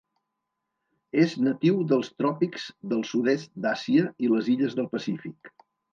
És natiu dels tròpics del sud-est d'Àsia i les illes del Pacífic.